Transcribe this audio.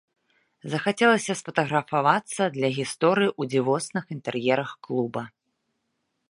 Захацелася сфатаграфавацца для гісторыі ў дзівосных інтэр'ерах клуба.